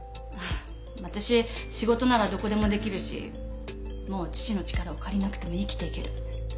私仕事ならどこでもできるしもう父の力を借りなくても生きていける。